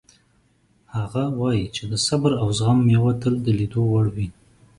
هغه وایي چې د صبر او زغم میوه تل د لیدو وړ وي